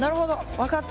分かった。